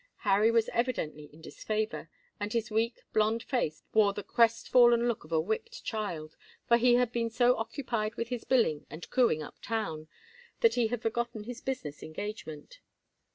Harry was evidently in disfavor, and his weak, blond face wore the crestfallen look of a whipped child, for he had been so occupied with his billing and cooing up town, that he had forgotten his business engagement.